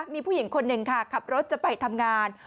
มีผู้หญิงคนหนึ่งค่ะขับรถจะไปทำงาน